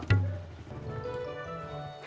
jadi kambing juga berkata